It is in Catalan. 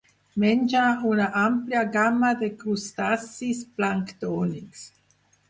Menja una àmplia gamma de crustacis planctònics.